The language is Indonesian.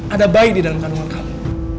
ada bayi di dalam kandungan kamu